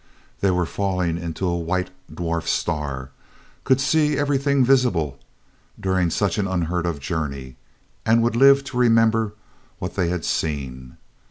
They were falling into a white dwarf star, could see everything visible during such an unheard of journey, and would live to remember what they had seen!